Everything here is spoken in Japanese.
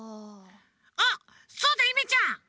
あっそうだゆめちゃん